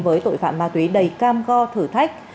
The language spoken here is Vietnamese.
với tội phạm ma túy đầy cam go thử thách